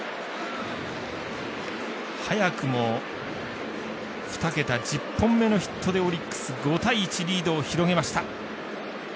早くも二桁、１０本目のヒットでオリックス、５対１リードを広げました。